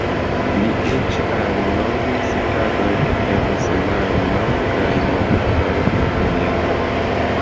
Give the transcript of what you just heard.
Li eĉ alinomis tagojn en semajno kaj monatojn en jaro.